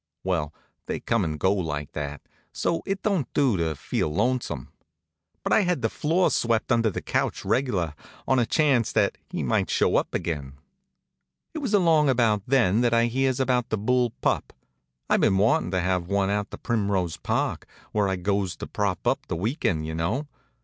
Well, they come and go like that, so it don't do to feel lonesome; but I had the floor swept under the couch reg'lar, on a chance that he might show up again. It was along about then that I hears about the bull pup. I'd been wantin' to have one out to Primrose Park where I goes to prop up the weekend, you know.